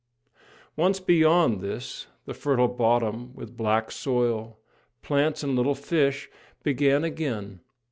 Once beyond this, the fertile bottom, with black soil, plants and little fish, began again.